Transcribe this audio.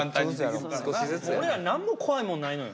もう俺ら何も怖いもんないのよ。